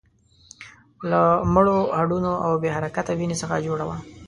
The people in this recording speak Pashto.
له مړو هډونو او بې حرکته وينې څخه جوړه وه.